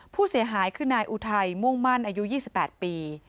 ผู้เสียหายคือนายอุทัยม่วงมั่นอายุ๒๘ปี